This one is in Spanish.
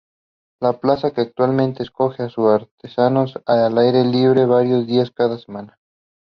La plaza que actualmente acoge a artesanos al aire libre varios días cada semana.